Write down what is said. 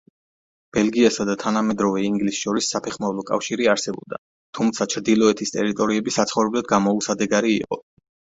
ბელგიასა და თანამედროვე ინგლისს შორის საფეხმავლო კავშირი არსებობდა, თუმცა ჩრდილოეთის ტერიტორიები საცხოვრებლად გამოუსადეგარი იყო.